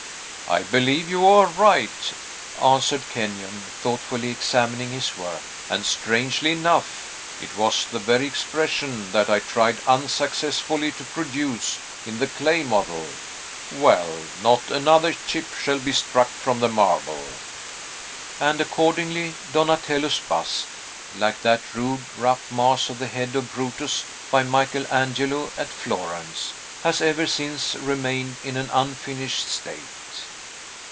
"I believe you are right," answered Kenyon, thoughtfully examining his work; "and, strangely enough, it was the very expression that I tried unsuccessfully to produce in the clay model. Well; not another chip shall be struck from the marble." And, accordingly, Donatello's bust (like that rude, rough mass of the head of Brutus, by Michael Angelo, at Florence) has ever since remained in an unfinished state.